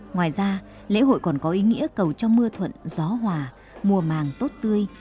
ngoài ra lễ hội còn có ý nghĩa cầu cho mưa thuận gió hòa mùa màng tốt tươi